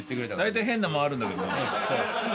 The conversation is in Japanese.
大体変な間あるんだけどね。